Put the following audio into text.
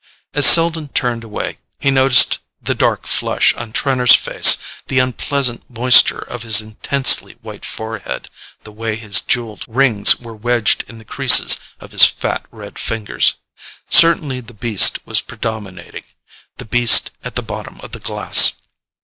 As Selden turned away, he noticed the dark flush on Trenor's face, the unpleasant moisture of his intensely white forehead, the way his jewelled rings were wedged in the creases of his fat red fingers. Certainly the beast was predominating—the beast at the bottom of the glass.